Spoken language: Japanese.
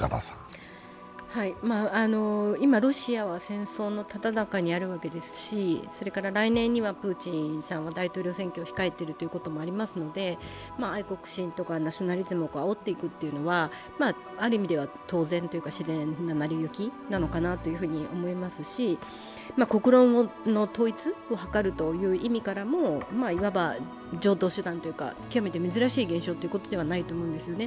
今、ロシアは戦争のさなかにあるわけですし、それから来年にはプーチンさんは大統領選挙を控えているということなので愛国心とかナショナリズムをあおっていくというのはある意味では当然というか自然な成り行きなのかなと思いますし、国論の統一をはかるという意味からも、いわば常套手段というか、極めて珍しい現象というわけではないと思うんですよね。